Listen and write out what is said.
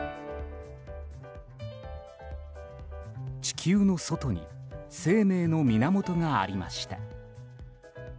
地球の外に生命の源がありました。